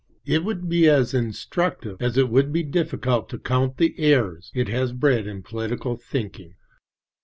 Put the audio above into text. It would be as instructive as it would be difficult to count the errors it has bred in political thinking.